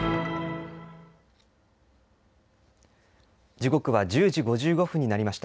時刻は１０時５５分になりました。